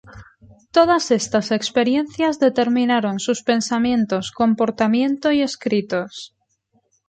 Todas estas experiencias determinaron sus pensamientos, comportamiento y escritos.